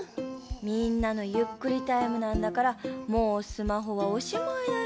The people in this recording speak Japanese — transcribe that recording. みんなのゆっくりタイムなんだからもうスマホはおしまいだよ。